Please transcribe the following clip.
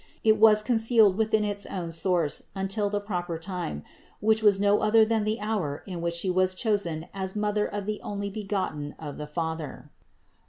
It was concealed within its own source until the proper time, which was no other than the hour in which She was chosen as Mother of the Onlybegotten of the Father.